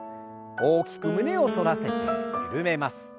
大きく胸を反らせて緩めます。